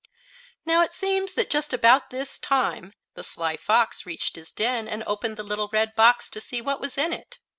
Now it seems that just about this time the Sly Fox reached his den and opened the little red box to see what was in it.